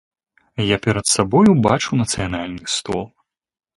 Я перад сабою бачу нацыянальны стол.